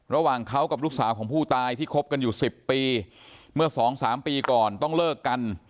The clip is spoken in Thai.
ระหว่างเขากับลูกสาวของผู้ตายที่คบกันอยู่๑๐ปีเมื่อสองสามปีก่อนต้องเลิกกัน